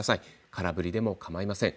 空振りでも構いません。